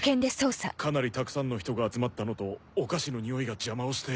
かなりたくさんの人が集まったのとお菓子の匂いが邪魔をして。